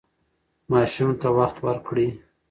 ماشوم ته وخت ورکړئ.